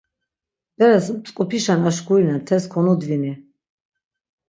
Beres mtzǩupişen aşkurinen, tes konudvini!